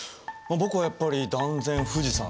僕はやっぱり断然富士山ですね。